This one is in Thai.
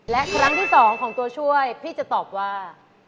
และครั้งที่๒ของตัวช่วยพี่จะตอบว่า